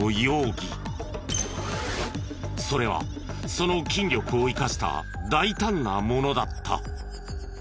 それはその筋力を生かした大胆なものだった。